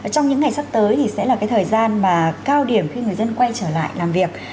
trong những ngày sắp tới thì sẽ là cái thời gian mà cao điểm khi người dân quay trở lại làm việc